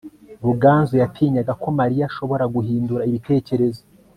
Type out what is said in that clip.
ruganzu yatinyaga ko mariya ashobora guhindura ibitekerezo